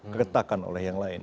ketakan oleh yang lain